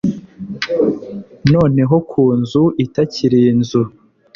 Noneho ku nzu itakiri inzu,